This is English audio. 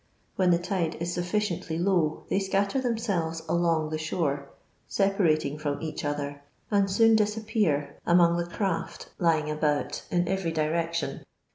When the tide is sufii ciently low they scatter themselves along the shore, separating from each other, ai^d soon dis appear among the craft lying about in every direc tion.